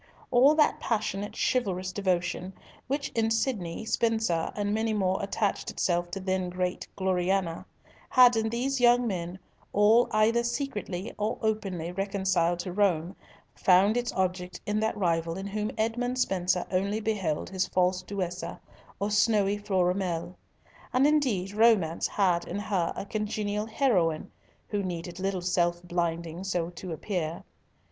All that passionate, chivalrous devotion, which in Sidney, Spenser, and many more attached itself to then great Gloriana, had in these young men, all either secretly or openly reconciled to Rome, found its object in that rival in whom Edmund Spenser only beheld his false Duessa or snowy Florimel. And, indeed, romance had in her a congenial heroine, who needed little self blinding so to appear.